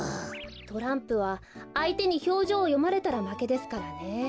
トランプはあいてにひょうじょうをよまれたらまけですからね。